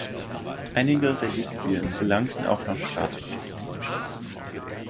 Einige Reliquien gelangten auch nach Chartres.